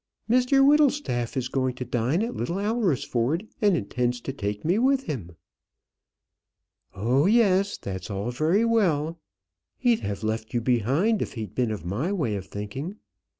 "Mr Whittlestaff is going to dine at Little Alresford, and intends to take me with him." "Oh yes; that's all very well. He'd have left you behind if he'd been of my way of thinking.